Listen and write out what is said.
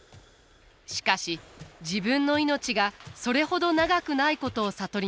しかし自分の命がそれほど長くないことを悟ります。